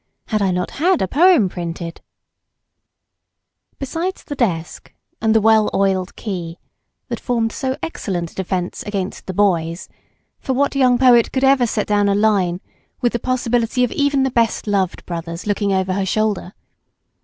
Had I not had a poem printed ? Besides the desk and the well oiled key, that formed so excellent a defence against "the boys"—for what young poet could ever set down a line with the possibility of even the best loved brothers looking over her shoulder?